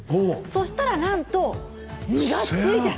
そうしたらなんと実がついた。